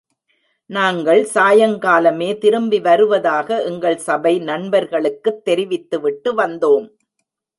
நாங்கள் சாயங்காலமே திரும்பி வருவதாக எங்கள் சபை நண்பர்களுக்குத் தெரிவித்துவிட்டு வந்தோம்.